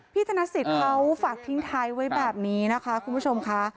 ธนสิทธิ์เขาฝากทิ้งท้ายไว้แบบนี้นะคะคุณผู้ชมค่ะ